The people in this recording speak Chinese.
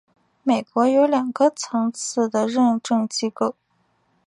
美国有两个层次的认证机构。